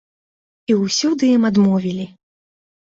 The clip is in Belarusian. І ўсюды ім адмовілі.